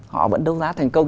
họ vẫn đấu giá thành công